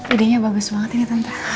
idenya bagus banget ini tentra